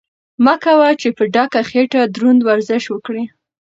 مه کوه چې په ډکه خېټه دروند ورزش وکړې.